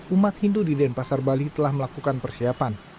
umat hindu di denpasar bali telah melakukan persiapan